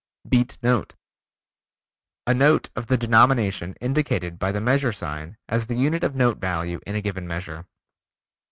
Beat Note: A note of the denomination indicated by the measure sign as the unit of note value in a given measure.